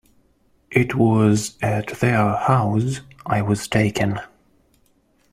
It was at their house I was taken.